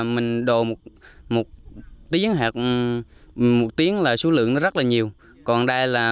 mùa mưa năm nay